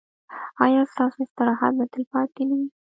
ایا ستاسو استراحت به تلپاتې نه وي؟